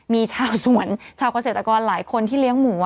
มีชาวสวนชาวเกษตรกรหลายคนที่เลี้ยงหมู